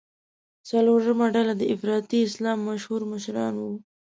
څلورمه ډله د افراطي اسلام مشهور مشران وو.